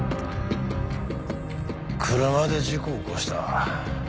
車で事故を起こした。